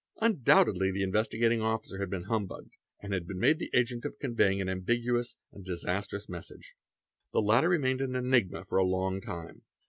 Undoubtedly the Investigating Officer had been humbugged and been made the agent of conveying an ambi guous and disastrous message. The matter remained an enigma for a | long time.